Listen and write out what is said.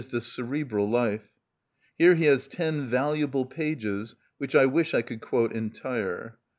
_, the cerebral, life. Here he has ten valuable pages which I wish I could quote entire.